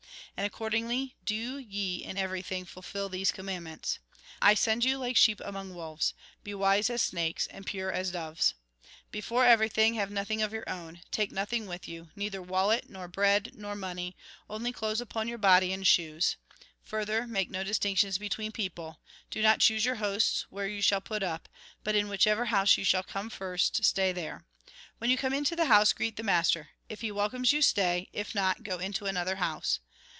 And accordingly, do ye in every thing fulfil these commandments. " I send you like sheep among wolves. Be wise as snakes, and pure as doves. " Before everything, have nothing of your own ; take nothing with you, neither wallet, nor bread, nor money ; only clothes upon your body, and shoes. Further, make no distinction between people ; do not choose your hosts, where you shall put up. But in whichever house you shall come first, stay there. When you come into the house, greet the master. If he welcome you, stay ; if not, go into another house.